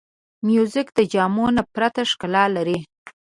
موزیک د جامو نه پرته ښکلا لري.